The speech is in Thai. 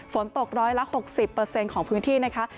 ฝนตกร้อยละ๖๐ของพื้นที่นะคะ